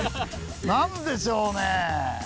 何でしょうね？